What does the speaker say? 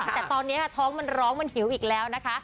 แต่ตอนนี้ท้องมันร้องมันหิวอีกแล้วนะคะ